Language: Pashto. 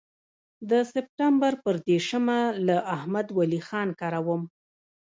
د سپټمبر پر دېرشمه له احمد ولي خان کره وم.